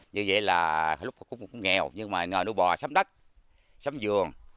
như vậy là lúc cũng nghèo nhưng mà ngồi nuôi bò sắm đất sắm giường